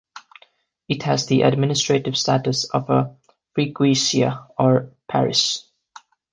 It has the administrative status of a "freguesia" or parish.